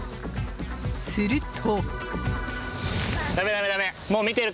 すると。